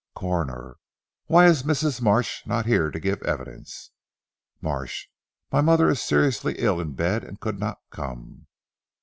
Coroner. "Why is Mrs. Marsh not here to give evidence?" Marsh. "My mother is seriously ill in bed and could not come."